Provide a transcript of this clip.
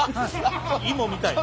芋みたいに。